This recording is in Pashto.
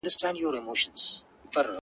o اوبه چي پر يوه ځاى ودرېږي بيا ورستېږي٫